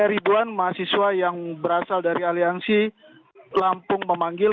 ribuan mahasiswa yang berasal dari aliansi lampung memanggil